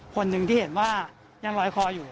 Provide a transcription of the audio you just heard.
คนหนึ่งที่เห็นว่ายังลอยคออยู่